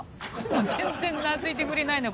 全然懐いてくれないのよ。